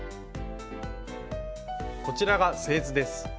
こちらが製図です。